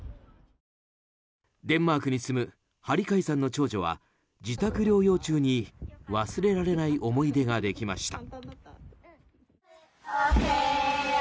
デンマークに住む針貝さんの長女は自宅療養中に、忘れられない思い出ができました。